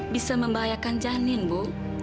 bisa membahayakan janin bu